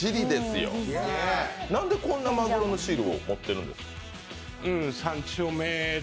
なんでこんなマグロのシールを持ってるんですか？